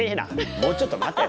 もうちょっと待てよ。